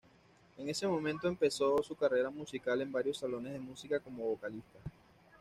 En ese momento empezó su carrera musical en varios salones de música como vocalista.